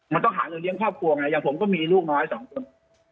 มันต้องหาเงินเลี้ยงครอบครัวไงอย่างผมก็มีลูกน้อยสองคน